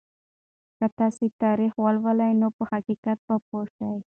که تاسو تاریخ ولولئ نو په حقیقت به پوه شئ.